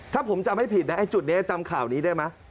ถ้าผมจำให้ผิดนะไอ้จุดนี้จำข่าวนี้ได้ไหม